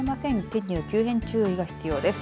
天気の急変注意が必要です。